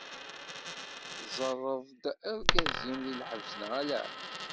Tẓerreḍ-d argaz-im di lḥebs neɣ ala?